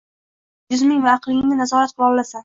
Sen o‘z jisming va aqlingni nazorat qila olasan.